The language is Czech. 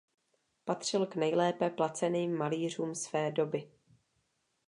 Patřil k nejlépe placeným malířům své doby.